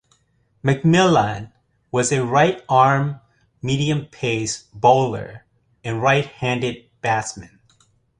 McMillan was a right arm medium-pace bowler and right-handed batsman.